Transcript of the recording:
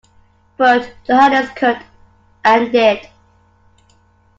But Johannes could, and did.